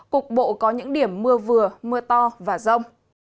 cục bộ có những điểm mưa vừa mưa to và rông